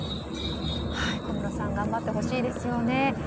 小室さん頑張ってほしいですよね。